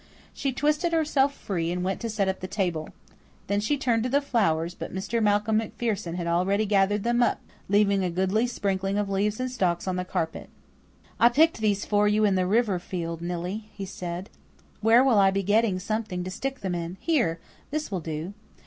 She twisted herself free and went to set up the table. Then she turned to the flowers, but Mr. Malcolm MacPherson had already gathered them up, leaving a goodly sprinkling of leaves and stalks on the carpet. "I picked these for you in the river field, Nillie," he said. "Where will I be getting something to stick them in? Here, this will do."